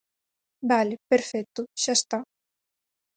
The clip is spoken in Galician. Vale, perfecto, xa está.